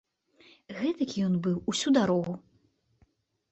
Гэтакі ён быў усю дарогу.